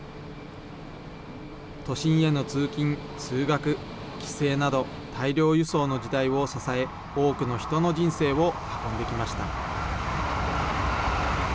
都心への通勤、通学、帰省など、大量輸送の時代を支え、多くの人の人生を運んできました。